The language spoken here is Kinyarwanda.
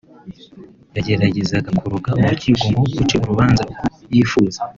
yageragezaga kuroga urukiko ngo ruce urubanza uko yifuza